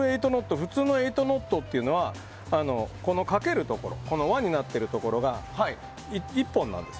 普通のエイトノットというのはかけるところ輪になっているところが１本なんですよ。